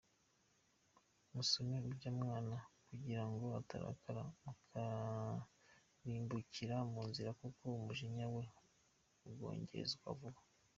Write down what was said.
Musome urya Mwana, kugira ngo atarakara mukarimbukira mu nzira, Kuko umujinya we ukongezwa vuba.